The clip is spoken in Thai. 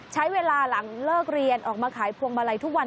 ใช้เวลาหลังเลิกเรียนออกมาขายพวงมาลัยทุกวัน